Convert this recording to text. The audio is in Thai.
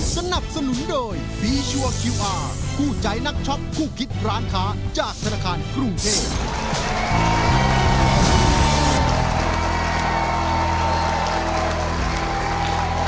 สนับสนุนโดยฟีชัวร์คิวอาร์คู่ใจนักช็อปคู่คิดร้านค้าจากธนาคารกรุงเทพ